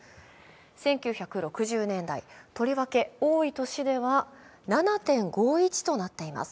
１９６０年代、とりわけ多い年では７．５１となっています。